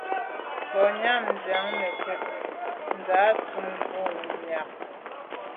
Ba nyàm diag nekeb ntsha ntùm bwôg miag.